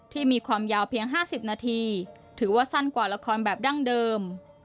มีความยาวเพียง๕๐นาทีถือว่าสั้นกว่าละครแบบดั้งเดิม